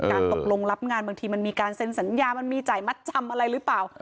ตกลงรับงานบางทีมันมีการเซ็นสัญญามันมีจ่ายมัดจำอะไรหรือเปล่า